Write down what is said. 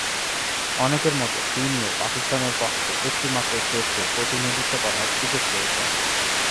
অনেকের মতো তিনিও পাকিস্তানের পক্ষে একটিমাত্র টেস্টে প্রতিনিধিত্ব করার সুযোগ পেয়েছেন।